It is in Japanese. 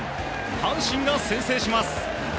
阪神が先制します。